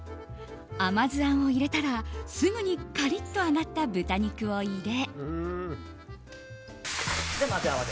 甘酢あんを入れたら、すぐにカリッと揚がった豚肉を入れ。